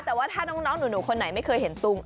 แต่ว่าถ้าน้องหนูคนไหนไม่เคยเห็นตุง